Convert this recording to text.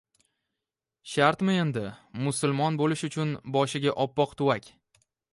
— Shartmi endi, musulmon bo‘lish uchun boshiga oppoq tuvak...